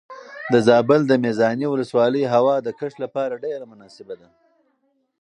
د زابل د میزانې ولسوالۍ هوا د کښت لپاره ډېره مناسبه ده.